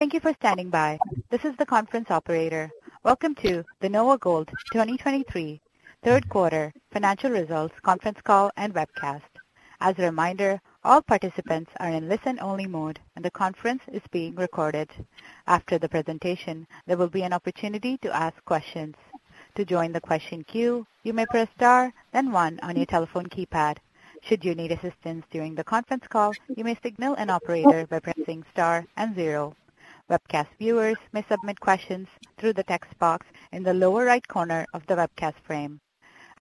Thank you for standing by. This is the conference operator. Welcome to the NOVAGOLD 2023 third quarter financial results conference call and webcast. As a reminder, all participants are in listen-only mode, and the conference is being recorded. After the presentation, there will be an opportunity to ask questions. To join the question queue, you may press star, then one on your telephone keypad. Should you need assistance during the conference call, you may signal an operator by pressing star and zero. Webcast viewers may submit questions through the text box in the lower right corner of the webcast frame.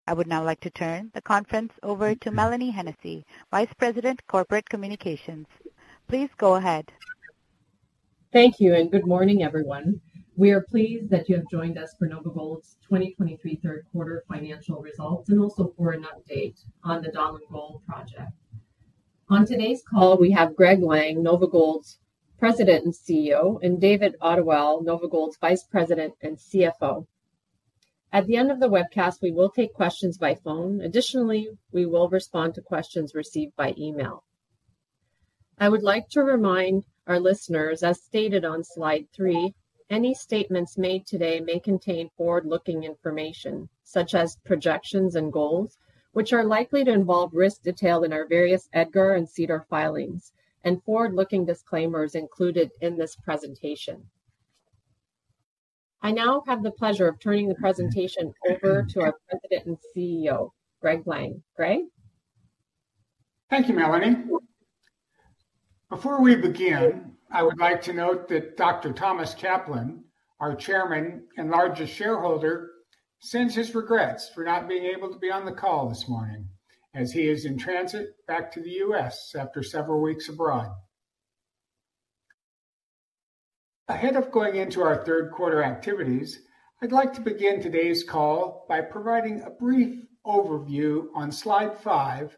I would now like to turn the conference over to Mélanie Hennessey, Vice President, Corporate Communications. Please go ahead. Thank you, and good morning, everyone. We are pleased that you have joined us for NOVAGOLD's 2023 third quarter financial results, and also for an update on the Donlin Gold project. On today's call, we have Greg Lang, NOVAGOLD's President and CEO, and David Ottewell, NOVAGOLD's Vice President and CFO. At the end of the webcast, we will take questions by phone. Additionally, we will respond to questions received by email. I would like to remind our listeners, as stated on slide three, any statements made today may contain forward-looking information, such as projections and goals, which are likely to involve risks detailed in our various EDGAR and SEDAR filings and forward-looking disclaimers included in this presentation. I now have the pleasure of turning the presentation over to our President and CEO, Greg Lang. Greg? Thank you, Mélanie. Before we begin, I would like to note that Dr. Thomas Kaplan, our Chairman and largest shareholder, sends his regrets for not being able to be on the call this morning, as he is in transit back to the U.S. after several weeks abroad. Ahead of going into our third quarter activities, I'd like to begin today's call by providing a brief overview on slide five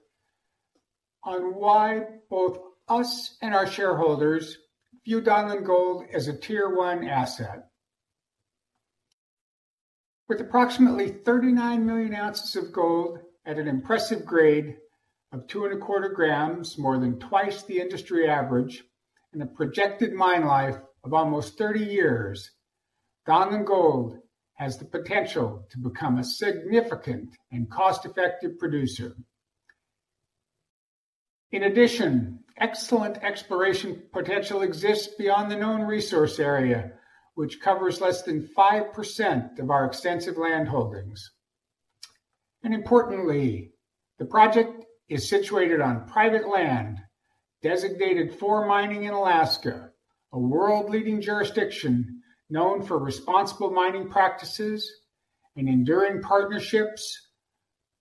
on why both us and our shareholders view Donlin Gold as a Tier 1 asset. With approximately 39 million ounces of gold at an impressive grade of 2.25 g, more than twice the industry average, and a projected mine life of almost 30 years, Donlin Gold has the potential to become a significant and cost-effective producer. In addition, excellent exploration potential exists beyond the known resource area, which covers less than 5% of our extensive land holdings. Importantly, the project is situated on private land designated for mining in Alaska, a world-leading jurisdiction known for responsible mining practices and enduring partnerships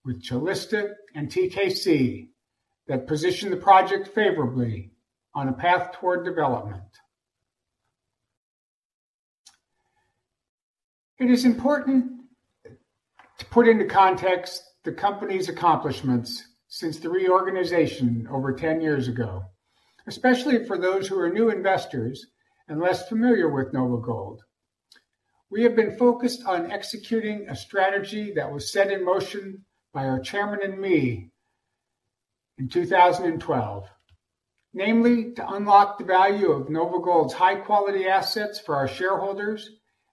with Calista and TKC that position the project favorably on a path toward development. It is important to put into context the company's accomplishments since the reorganization over 10 years ago, especially for those who are new investors and less familiar with NOVAGOLD. We have been focused on executing a strategy that was set in motion by our Chairman and me in 2012, namely, to unlock the value of NOVAGOLD's high-quality assets for our shareholders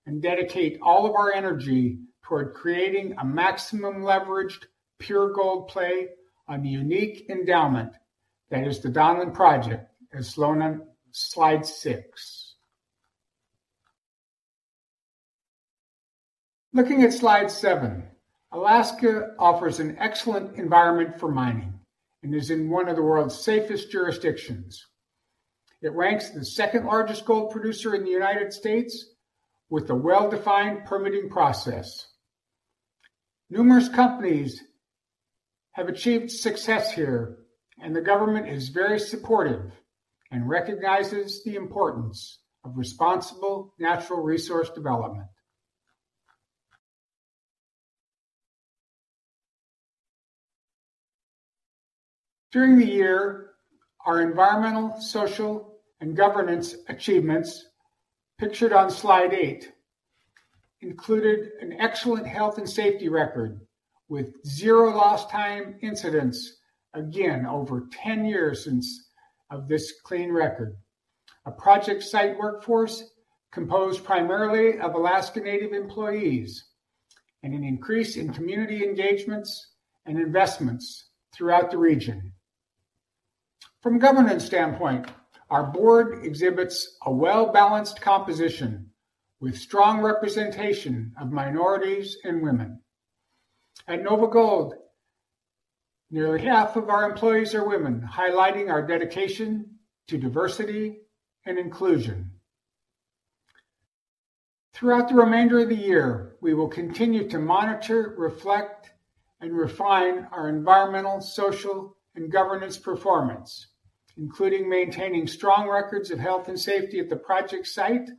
and dedicate all of our energy toward creating a maximum leveraged, pure gold play on the unique endowment that is the Donlin project, as shown on slide six. Looking at slide seven, Alaska offers an excellent environment for mining and is in one of the world's safest jurisdictions. It ranks the second largest gold producer in the United States with a well-defined permitting process. Numerous companies have achieved success here, and the government is very supportive and recognizes the importance of responsible natural resource development. During the year, our environmental, social, and governance achievements, pictured on slide eight, included an excellent health and safety record with zero lost time incidents, again, over 10 years since of this clean record, a project site workforce composed primarily of Alaska Native employees, and an increase in community engagements and investments throughout the region. From a governance standpoint, our board exhibits a well-balanced composition with strong representation of minorities and women. At NOVAGOLD, nearly half of our employees are women, highlighting our dedication to diversity and inclusion. Throughout the remainder of the year, we will continue to monitor, reflect, and refine our environmental, social, and governance performance, including maintaining strong records of health and safety at the project site,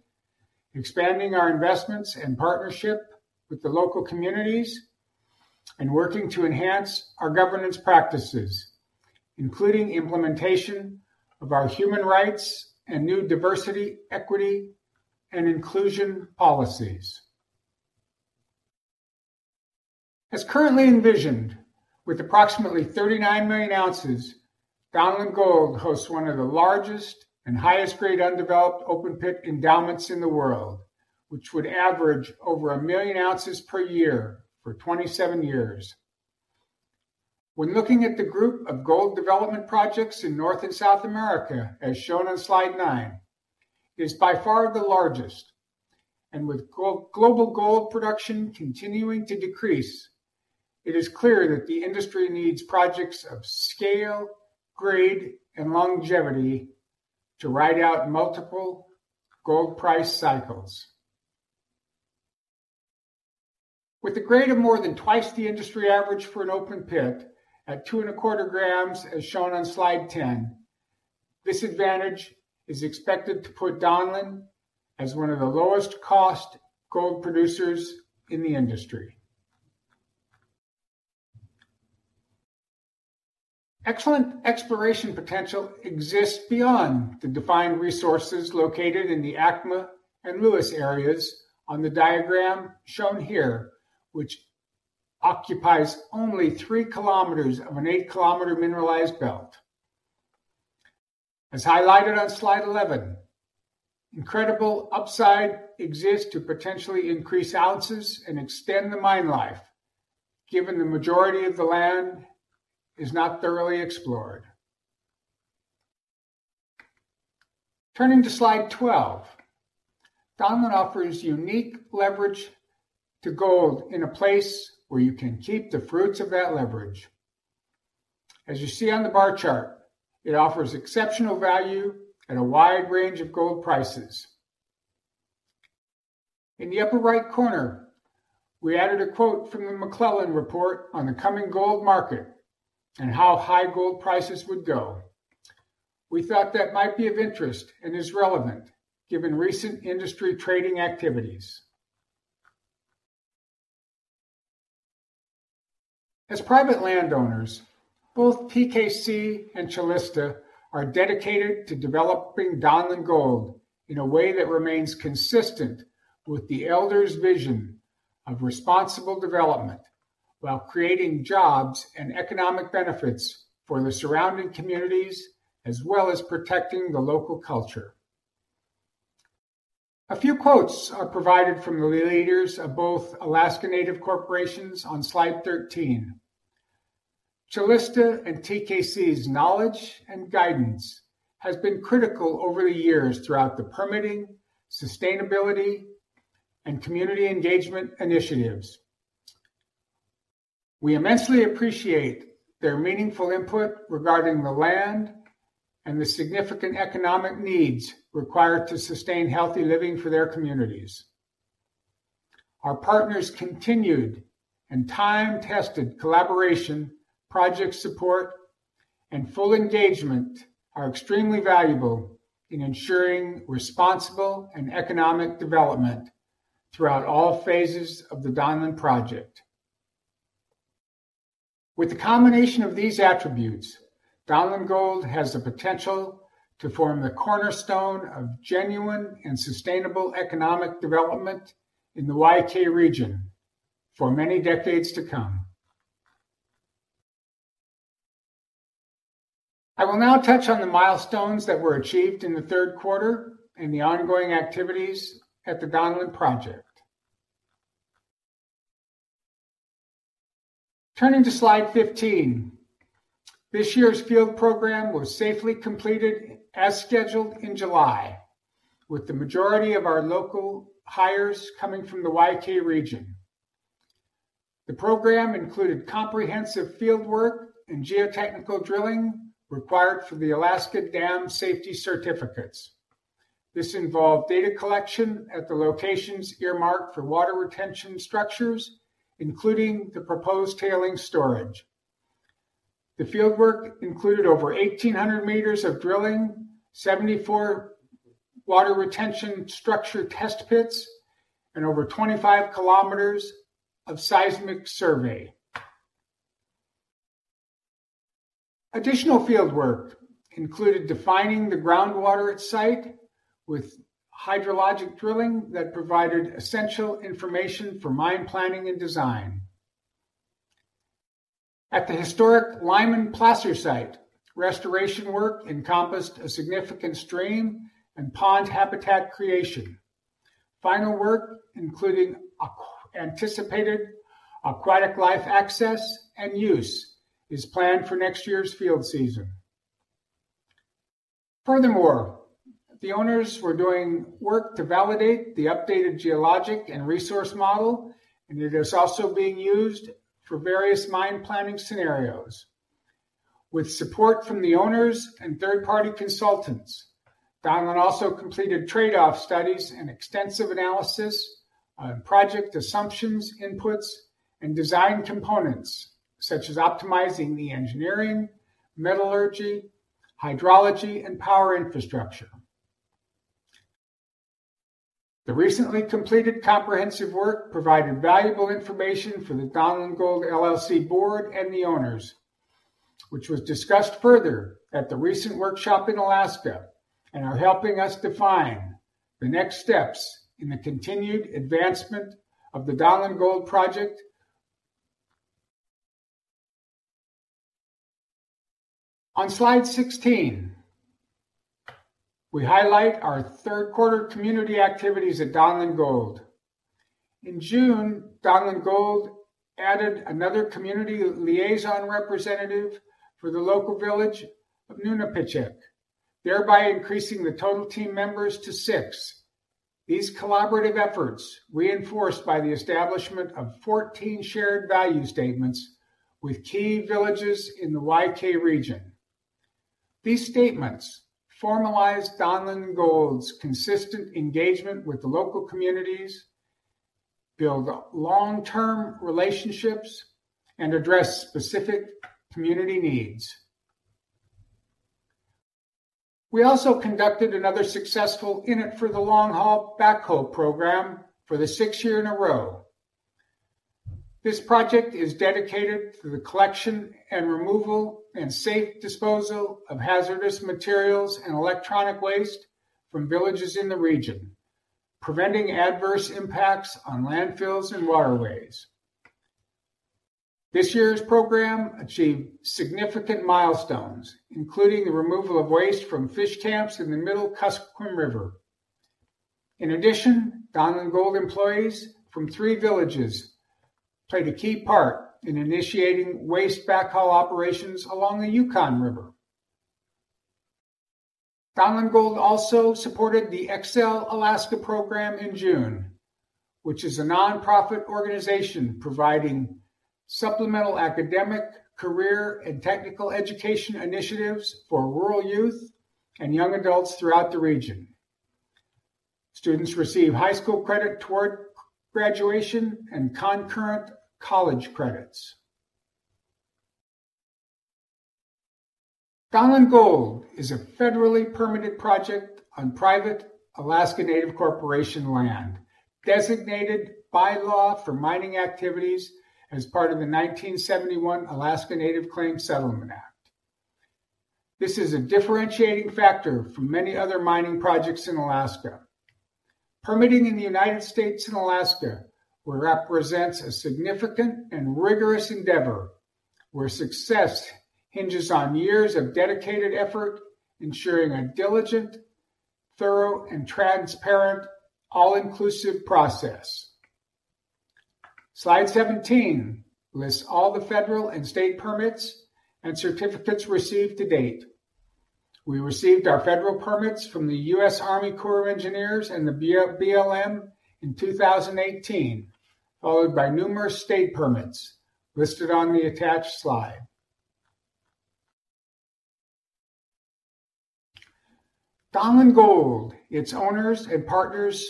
expanding our investments and partnership with the local communities, and working to enhance our governance practices, including implementation of our human rights and new diversity, equity, and inclusion policies. As currently envisioned, with approximately 39 million ounces, Donlin Gold hosts one of the largest and highest grade undeveloped open-pit endowments in the world, which would average over 1 million ounces per year for 27 years. When looking at the group of gold development projects in North and South America, as shown on slide nine, it is by far the largest, and with global gold production continuing to decrease, it is clear that the industry needs projects of scale, grade, and longevity to ride out multiple gold price cycles. With a grade of more than twice the industry average for an open pit at 2.25 g, as shown on slide 10, this advantage is expected to put Donlin as one of the lowest cost gold producers in the industry. Excellent exploration potential exists beyond the defined resources located in the ACMA and Lewis areas on the diagram shown here, which occupies only 3 km of an 8 km mineralized belt. As highlighted on slide 11, incredible upside exists to potentially increase ounces and extend the mine life, given the majority of the land is not thoroughly explored. Turning to slide 12, Donlin offers unique leverage to gold in a place where you can keep the fruits of that leverage. As you see on the bar chart, it offers exceptional value at a wide range of gold prices. In the upper right corner, we added a quote from the McClellan report on the coming gold market and how high gold prices would go. We thought that might be of interest and is relevant, given recent industry trading activities. As private landowners, both TKC and Calista are dedicated to developing Donlin Gold in a way that remains consistent with the elders' vision of responsible development, while creating jobs and economic benefits for the surrounding communities, as well as protecting the local culture. A few quotes are provided from the leaders of both Alaska Native Corporations on slide 13. Calista and TKC's knowledge and guidance has been critical over the years throughout the permitting, sustainability, and community engagement initiatives. We immensely appreciate their meaningful input regarding the land and the significant economic needs required to sustain healthy living for their communities. Our partners' continued and time-tested collaboration, project support, and full engagement are extremely valuable in ensuring responsible and economic development throughout all phases of the Donlin project. With the combination of these attributes, Donlin Gold has the potential to form the cornerstone of genuine and sustainable economic development in the Y-K region for many decades to come. I will now touch on the milestones that were achieved in the third quarter and the ongoing activities at the Donlin project. Turning to slide 15, this year's field program was safely completed as scheduled in July, with the majority of our local hires coming from the Y-K region. The program included comprehensive field work and geotechnical drilling required for the Alaska Dam Safety certificates. This involved data collection at the locations earmarked for water retention structures, including the proposed tailing storage. The fieldwork included over 1,800 m of drilling, 74 water retention structure test pits, and over 25 km of seismic survey. Additional field work included defining the groundwater at site with hydrologic drilling that provided essential information for mine planning and design. At the historic Lyman placer site, restoration work encompassed a significant stream and pond habitat creation. Final work, including anticipated aquatic life access and use, is planned for next year's field season. Furthermore, the owners were doing work to validate the updated geologic and resource model, and it is also being used for various mine planning scenarios. With support from the owners and third-party consultants, Donlin also completed trade-off studies and extensive analysis on project assumptions, inputs, and design components such as optimizing the engineering, metallurgy, hydrology, and power infrastructure. The recently completed comprehensive work provided valuable information for the Donlin Gold LLC board and the owners, which was discussed further at the recent workshop in Alaska and are helping us define the next steps in the continued advancement of the Donlin Gold project. On slide 16, we highlight our third quarter community activities at Donlin Gold. In June, Donlin Gold added another community liaison representative for the local village of Nunapitchuk, thereby increasing the total team members to six. These collaborative efforts, reinforced by the establishment of 14 shared value statements with key villages in the Y-K region. These statements formalize Donlin Gold's consistent engagement with the local communities, build long-term relationships, and address specific community needs. We also conducted another successful In It for the Long Haul backhaul program for the sixth year in a row. This project is dedicated to the collection and removal and safe disposal of hazardous materials and electronic waste from villages in the region, preventing adverse impacts on landfills and waterways. This year's program achieved significant milestones, including the removal of waste from fish camps in the Middle Kuskokwim River. In addition, Donlin Gold employees from three villages played a key part in initiating waste backhaul operations along the Yukon River. Donlin Gold also supported the EXCEL Alaska program in June, which is a nonprofit organization providing supplemental academic, career, and technical education initiatives for rural youth and young adults throughout the region. Students receive high school credit toward graduation and concurrent college credits. Donlin Gold is a federally permitted project on private Alaska Native Corporation land, designated by law for mining activities as part of the 1971 Alaska Native Claims Settlement Act. This is a differentiating factor from many other mining projects in Alaska. Permitting in the United States and Alaska represents a significant and rigorous endeavor, where success hinges on years of dedicated effort, ensuring a diligent, thorough, and transparent, all-inclusive process. Slide 17 lists all the federal and state permits and certificates received to date. We received our federal permits from the U.S. Army Corps of Engineers and the BLM in 2018, followed by numerous state permits listed on the attached slide. Donlin Gold, its owners and partners,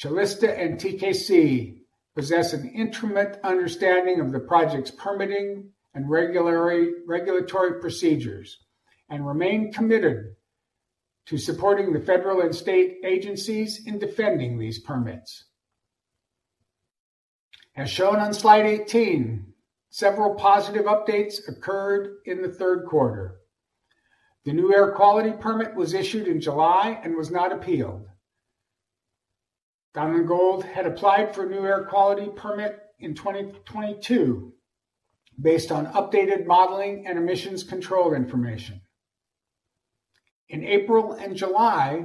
Calista and TKC, possess an intimate understanding of the project's permitting and regulatory procedures and remain committed to supporting the federal and state agencies in defending these permits. As shown on slide 18, several positive updates occurred in the third quarter. The new air quality permit was issued in July and was not appealed. Donlin Gold had applied for a new air quality permit in 2022 based on updated modeling and emissions control information. In April and July,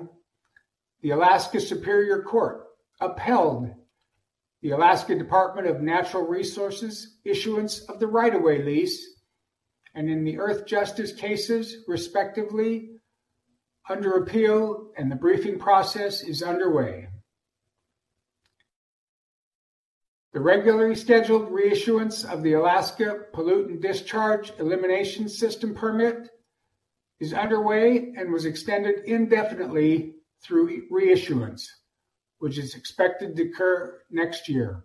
the Alaska Superior Court upheld the Alaska Department of Natural Resources' issuance of the right-of-way lease, and in the Earthjustice cases, respectively, under appeal, and the briefing process is underway. The regularly scheduled reissuance of the Alaska Pollutant Discharge Elimination System permit is underway and was extended indefinitely through reissuance, which is expected to occur next year.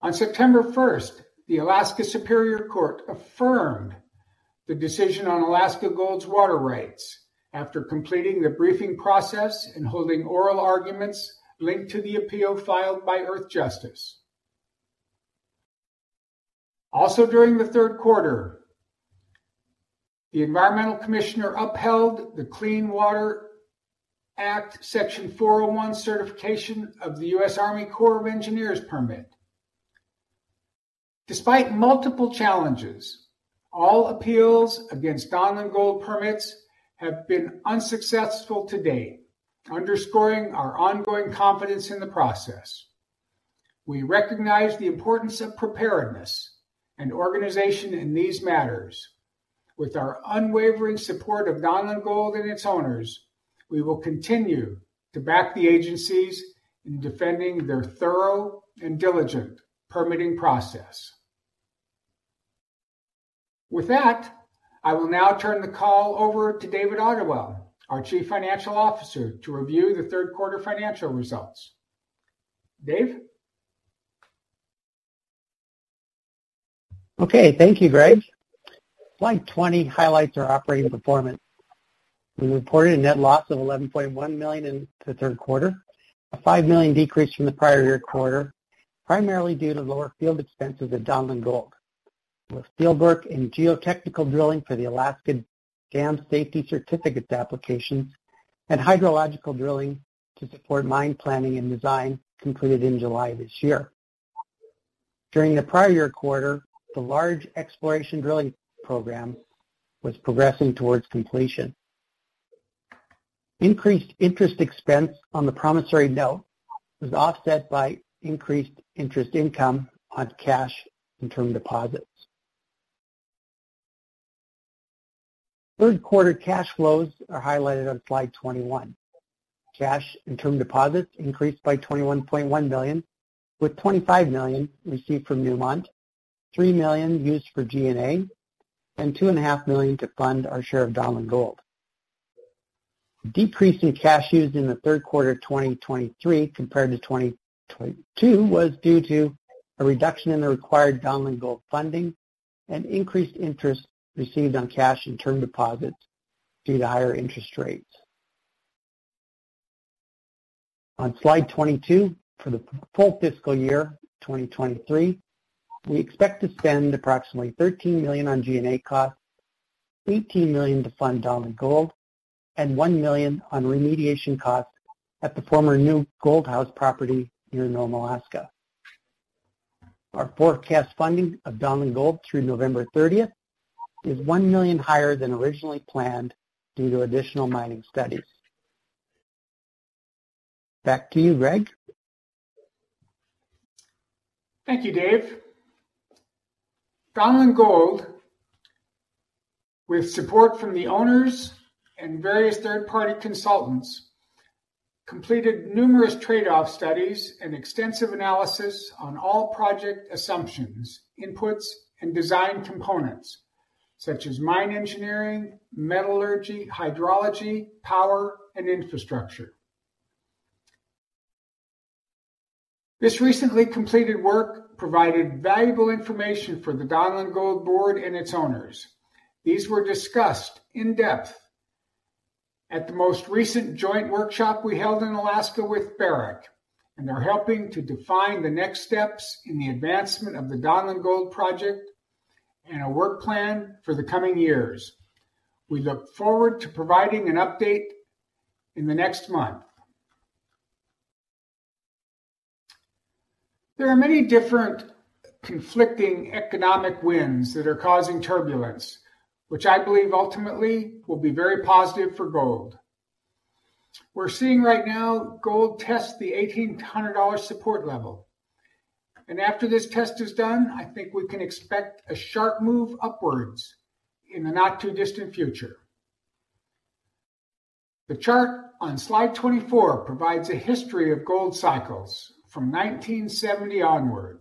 On September 1st, the Alaska Superior Court affirmed the decision on Alaska Gold's water rights after completing the briefing process and holding oral arguments linked to the appeal filed by Earthjustice. Also, during the third quarter, the environmental commissioner upheld the Clean Water Act, Section 401, certification of the U.S. Army Corps of Engineers permit. Despite multiple challenges, all appeals against Donlin Gold permits have been unsuccessful to date, underscoring our ongoing confidence in the process. We recognize the importance of preparedness and organization in these matters. With our unwavering support of Donlin Gold and its owners, we will continue to back the agencies in defending their thorough and diligent permitting process. With that, I will now turn the call over to David Ottewell, our Chief Financial Officer, to review the third quarter financial results. Dave? Okay, thank you, Greg. Slide 20 highlights our operating performance. We reported a net loss of $11.1 million in the third quarter, a $5 million decrease from the prior year quarter, primarily due to lower field expenses at Donlin Gold, with field work and geotechnical drilling for the Alaska Dam Safety Certificate application and hydrological drilling to support mine planning and design completed in July this year. During the prior year quarter, the large exploration drilling program was progressing towards completion. Increased interest expense on the promissory note was offset by increased interest income on cash and term deposits. Third quarter cash flows are highlighted on slide 21. Cash and term deposits increased by $21.1 million, with $25 million received from Newmont, $3 million used for G&A, and $2.5 million to fund our share of Donlin Gold. Decrease in cash used in the third quarter of 2023 compared to 2022 was due to a reduction in the required Donlin Gold funding and increased interest received on cash and term deposits due to higher interest rates. On slide 22, for the full fiscal year 2023, we expect to spend approximately $13 million on G&A costs, $18 million to fund Donlin Gold, and $1 million on remediation costs at the former New Gold House property near Nome, Alaska. Our forecast funding of Donlin Gold through November 30 is $1 million higher than originally planned due to additional mining studies. Back to you, Greg. Thank you, Dave. Donlin Gold, with support from the owners and various third-party consultants, completed numerous trade-off studies and extensive analysis on all project assumptions, inputs, and design components such as mine engineering, metallurgy, hydrology, power, and infrastructure. This recently completed work provided valuable information for the Donlin Gold board and its owners. These were discussed in depth at the most recent joint workshop we held in Alaska with Barrick, and they're helping to define the next steps in the advancement of the Donlin Gold project and a work plan for the coming years. We look forward to providing an update in the next month. There are many different conflicting economic winds that are causing turbulence, which I believe ultimately will be very positive for gold. We're seeing right now gold test the $1,800 support level, and after this test is done, I think we can expect a sharp move upwards in the not-too-distant future. The chart on slide 24 provides a history of gold cycles from 1970 onward.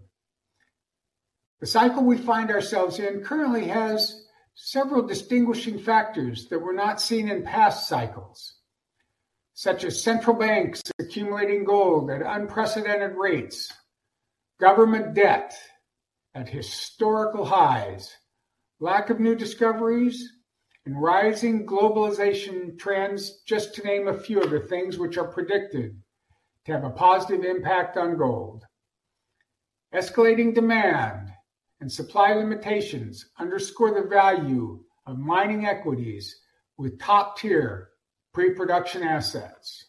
The cycle we find ourselves in currently has several distinguishing factors that were not seen in past cycles, such as central banks accumulating gold at unprecedented rates, government debt at historical highs, lack of new discoveries, and rising globalization trends, just to name a few of the things which are predicted to have a positive impact on gold. Escalating demand and supply limitations underscore the value of mining equities with top-tier pre-production assets.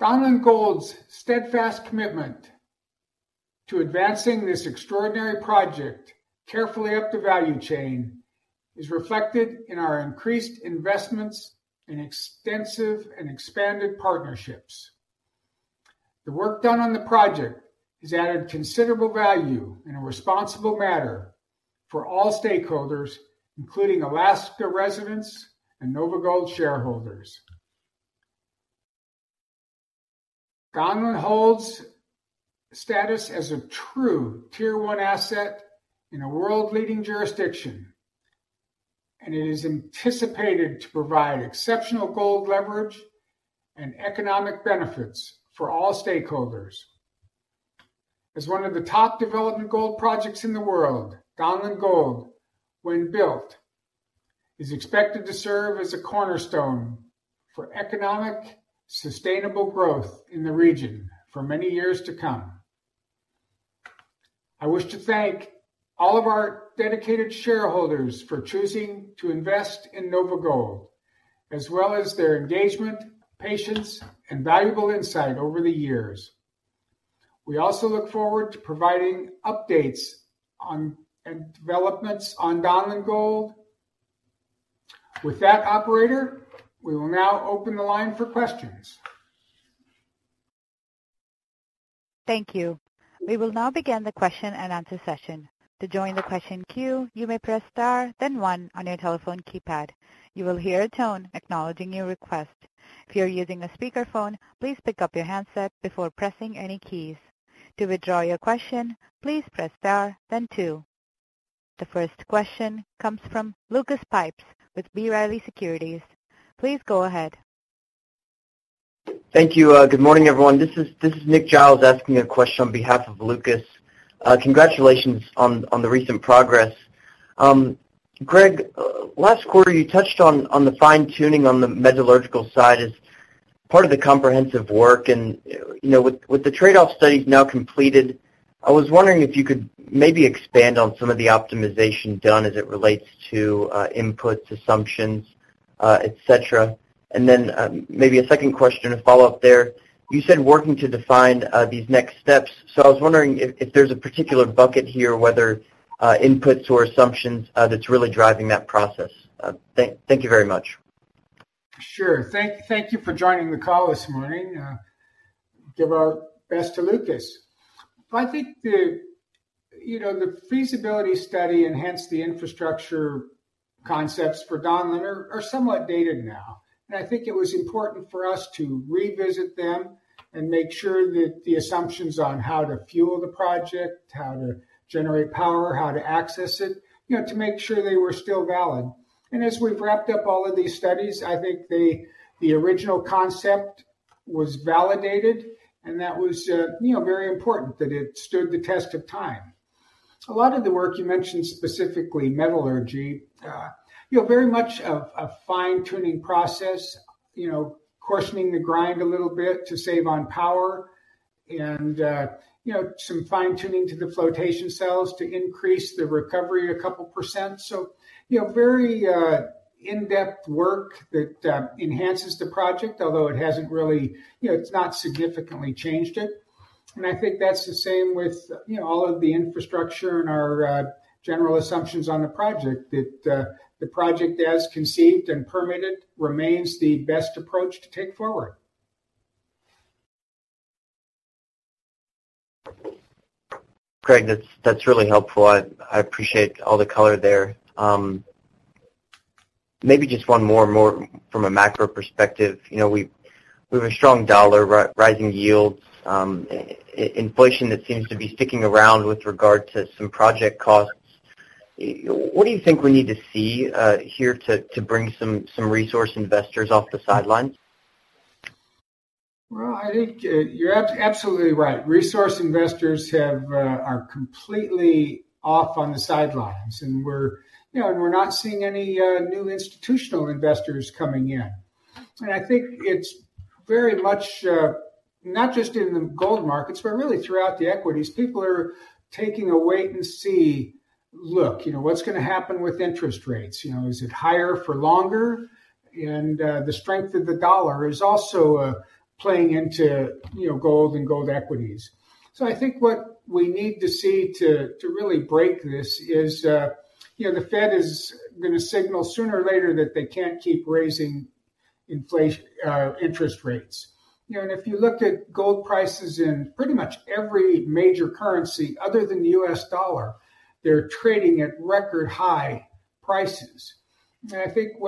Donlin Gold's steadfast commitment to advancing this extraordinary project carefully up the value chain is reflected in our increased investments and extensive and expanded partnerships. The work done on the project has added considerable value in a responsible manner for all stakeholders, including Alaska residents and NOVAGOLD shareholders. Donlin holds status as a true Tier 1 asset in a world-leading jurisdiction, and it is anticipated to provide exceptional gold leverage and economic benefits for all stakeholders. As one of the top development gold projects in the world, Donlin Gold, when built, is expected to serve as a cornerstone for economic, sustainable growth in the region for many years to come. I wish to thank all of our dedicated shareholders for choosing to invest in NOVAGOLD, as well as their engagement, patience, and valuable insight over the years. We also look forward to providing updates on, and developments on Donlin Gold. With that, operator, we will now open the line for questions. Thank you. We will now begin the question-and-answer session. To join the question queue, you may press star then one on your telephone keypad. You will hear a tone acknowledging your request. If you are using a speakerphone, please pick up your handset before pressing any keys. To withdraw your question, please press star then two. The first question comes from Lucas Pipes with B. Riley Securities. Please go ahead. Thank you. Good morning, everyone. This is Nick Giles, asking a question on behalf of Lucas. Congratulations on the recent progress. Greg, last quarter, you touched on the fine-tuning on the metallurgical side as part of the comprehensive work, and, you know, with the trade-off studies now completed, I was wondering if you could maybe expand on some of the optimization done as it relates to inputs, assumptions, et cetera. And then, maybe a second question to follow up there. You said working to define these next steps. So I was wondering if there's a particular bucket here, whether inputs or assumptions, that's really driving that process. Thank you very much. Sure. Thank you for joining the call this morning. Give our best to Lucas. I think, you know, the feasibility study and hence the infrastructure concepts for Donlin are somewhat dated now. And I think it was important for us to revisit them and make sure that the assumptions on how to fuel the project, how to generate power, how to access it, you know, to make sure they were still valid. And as we've wrapped up all of these studies, I think the original concept was validated, and that was, you know, very important that it stood the test of time. A lot of the work you mentioned, specifically metallurgy, you know, very much a fine-tuning process, you know, questioning the grind a little bit to save on power and, you know, some fine-tuning to the flotation cells to increase the recovery a couple percent. So, you know, very in-depth work that enhances the project, although it hasn't really, you know, it's not significantly changed it. And I think that's the same with, you know, all of the infrastructure and our general assumptions on the project, that the project, as conceived and permitted, remains the best approach to take forward. Greg, that's really helpful. I appreciate all the color there. Maybe just one more from a macro perspective. You know, we have a strong dollar, rising yields, inflation that seems to be sticking around with regard to some project costs. What do you think we need to see here to bring some resource investors off the sidelines? Well, I think, you're absolutely right. Resource investors have, are completely off on the sidelines, and we're, you know, and we're not seeing any new institutional investors coming in. And I think it's very much, not just in the gold markets, but really throughout the equities, people are taking a wait-and-see look. You know, what's gonna happen with interest rates? You know, is it higher for longer? And, the strength of the dollar is also, playing into, you know, gold and gold equities. So I think what we need to see to really break this is, you know, the Fed is gonna signal sooner or later that they can't keep raising inflation, interest rates. You know, and if you looked at gold prices in pretty much every major currency other than the U.S. dollar, they're trading at record-high prices. I think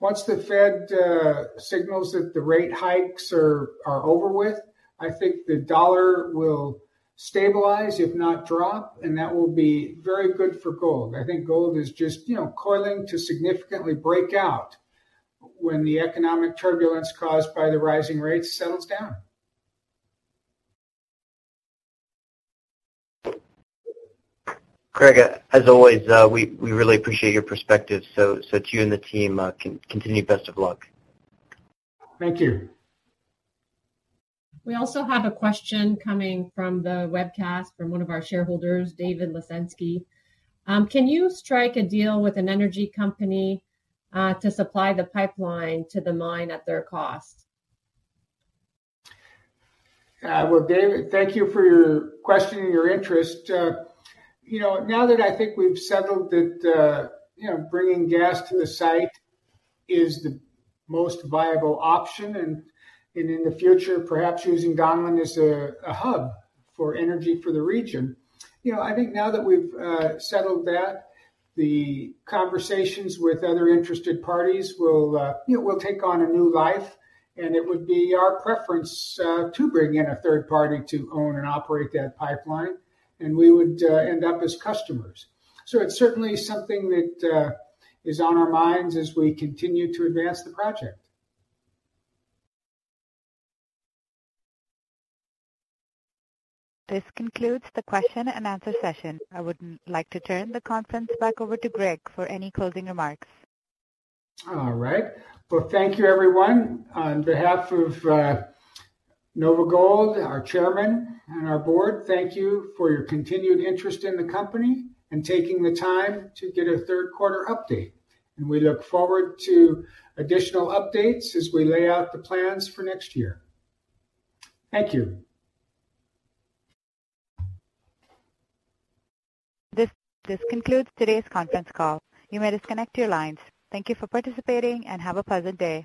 once the Fed signals that the rate hikes are over with, I think the dollar will stabilize, if not drop, and that will be very good for gold. I think gold is just, you know, coiling to significantly break out when the economic turbulence caused by the rising rates settles down. Greg, as always, we really appreciate your perspective. So, to you and the team, continued best of luck. Thank you. We also have a question coming from the webcast from one of our shareholders, David Lasensky. Can you strike a deal with an energy company to supply the pipeline to the mine at their cost? Well, David, thank you for your question and your interest. You know, now that I think we've settled that, you know, bringing gas to the site is the most viable option, and in the future, perhaps using Donlin as a hub for energy for the region. You know, I think now that we've settled that, the conversations with other interested parties will, you know, will take on a new life, and it would be our preference to bring in a third-party to own and operate that pipeline, and we would end up as customers. So it's certainly something that is on our minds as we continue to advance the project. This concludes the question-and-answer session. I would like to turn the conference back over to Greg for any closing remarks. All right. Well, thank you, everyone. On behalf of NOVAGOLD, our Chairman, and our board, thank you for your continued interest in the company and taking the time to get a third quarter update. We look forward to additional updates as we lay out the plans for next year. Thank you. This concludes today's conference call. You may disconnect your lines. Thank you for participating, and have a pleasant day.